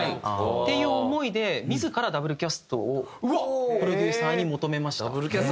っていう思いで自らＷキャストをプロデューサーに求めました。